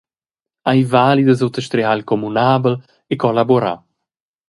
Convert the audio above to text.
Ei vali da suttastrihar il communabel e collaborar.